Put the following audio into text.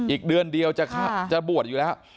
อีกเดือนเดียวจะบวชอยู่แล้ว